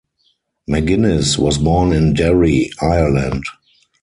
Maginnis was born in Derry, Ireland.